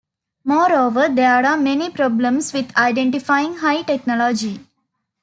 Moreover, there are many problems with identifying high technology.